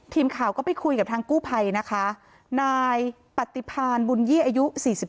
ทีมข่าวก็ไปคุยกับทางกู้ภัยนะคะนายปฏิพานบุญยี่อายุ๔๒